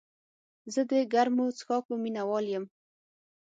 زه د ګرمو څښاکونو مینه وال یم.